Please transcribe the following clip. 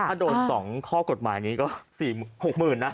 ถ้าโดน๒ข้อกฎหมายอย่างนี้ก็๖๐๐๐๐บาทนะ